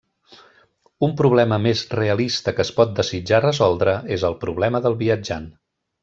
Un problema més realista que es pot desitjar resoldre és el problema del viatjant.